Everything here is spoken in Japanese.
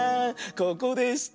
ここでした。